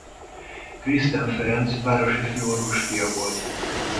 Christen Ferenc városi főorvos fia volt.